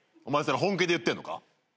お前それ本気で言ってんのか？